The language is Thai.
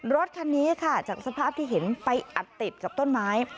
รถคันนี้ค่ะจากสภาพที่เห็นไปอัดติดกับต้นไม้